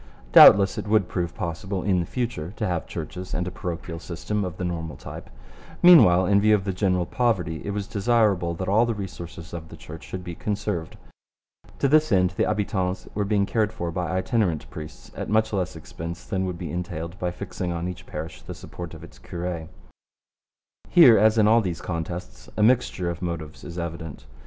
Doubtless it would prove possible in the future to have churches and a parochial system of the normal type. Meanwhile, in view of the general poverty it was desirable that all the resources of the Church should be conserved. To this end the habitants were being cared for by itinerant priests at much less expense than would be entailed by fixing on each parish the support of its cure. Here, as in all these contests, a mixture of motives is evident.